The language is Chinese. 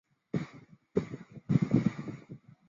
年度得主以粗体标示。